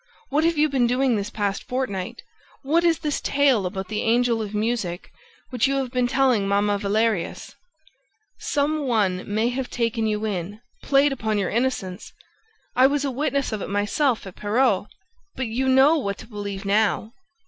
... What have you been doing this past fortnight? ... What is this tale about the Angel of Music, which you have been telling Mamma Valerius? Some one may have taken you in, played upon your innocence. I was a witness of it myself, at Perros ... but you know what to believe now!